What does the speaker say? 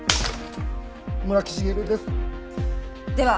村木繁です。